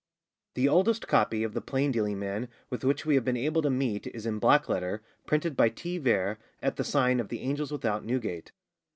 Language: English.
[THE oldest copy of the Plain Dealing Man with which we have been able to meet is in black letter, printed by T. Vere at the sign 'Of the Angel without Newgate.